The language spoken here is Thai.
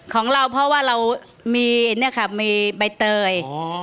ของเราเพราะว่าเรามีเนี่ยค่ะมีใบเตย